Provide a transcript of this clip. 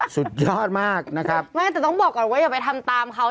สุดยอดมากนะครับไม่แต่ต้องบอกก่อนว่าอย่าไปทำตามเขา